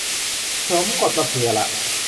ผมกดมาเผื่อละ